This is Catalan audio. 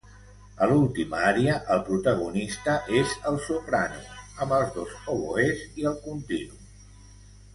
A l'última ària, el protagonista és el soprano amb els dos oboès i el continu.